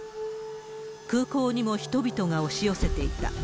空港にも人々が押し寄せていた。